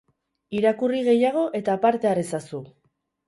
Irakurri gehiago eta parte har ezazu!